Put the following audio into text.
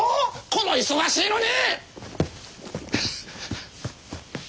この忙しいのに！